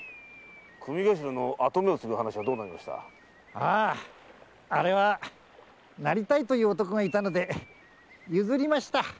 あああれはなりたいという男がいたので譲りました。